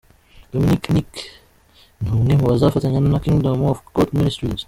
Dominic Nic ni umwe mu bazafatanya na Kingdom of God Ministries.